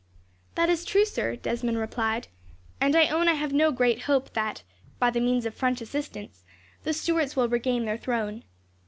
"That is true, sir," Desmond replied; "and I own I have no great hope that, by the means of French assistance, the Stuarts will regain their throne.